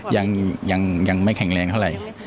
ยังยังยังไม่แข็งแรงเท่าไร